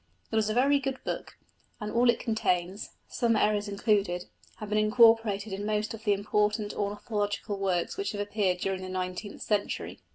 It was a very good book, and all it contains, some errors included, have been incorporated in most of the important ornithological works which have appeared during the nineteenth century.